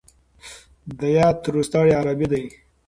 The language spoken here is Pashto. د يات روستاړی عربي دی.